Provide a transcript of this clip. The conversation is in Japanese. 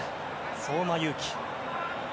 相馬勇紀。